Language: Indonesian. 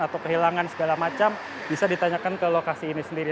atau kehilangan segala macam bisa ditanyakan ke lokasi ini sendiri